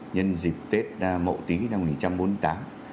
nhân dịp tết mộ tí năm một nghìn chín trăm bốn mươi tám